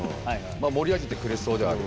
まあ盛り上げてくれそうではある。